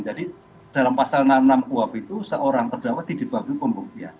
jadi dalam pasal enam puluh enam uap itu seorang terdakwa tidak dibagi pembuktian